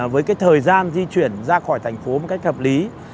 với cái thời gian di chuyển ra khỏi thành phố một cách hợp lý